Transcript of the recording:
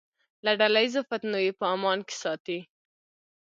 له ډله ییزو فتنو یې په امان کې ساتي.